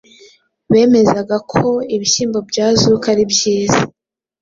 bemezaga ko ibihyimbo bya Azuki ari byiza